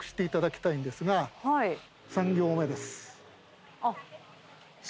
３行目です。